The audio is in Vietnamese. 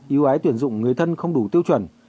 yêu ái tuyển dụng người thân không đủ tiêu chuẩn